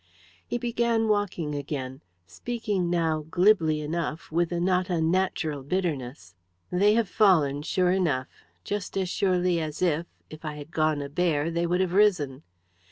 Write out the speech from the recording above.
He began walking again, speaking now glibly enough, with a not unnatural bitterness. "They have fallen, sure enough just as surely as if, if I had gone a bear, they would have risen.